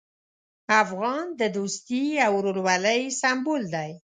افغان د دوستي او ورورولۍ سمبول دی.